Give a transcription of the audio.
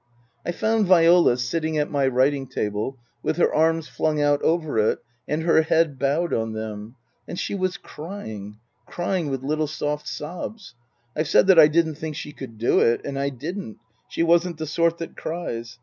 I found Viola sitting at my writing table, with her arms flung out over it and her head bowed on them. And she was crying crying with little soft sobs. I've said that I didn't think she could do it. And I didn't. She wasn't the sort that cries.